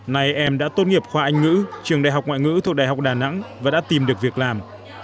nay em đã tốt nghiệp khoa anh ngữ trường đại học ngoại ngữ thuộc đại học đà nẵng và đã tìm được việc làm